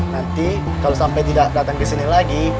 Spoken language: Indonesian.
nanti kalo sampe tidak dateng kesini lagi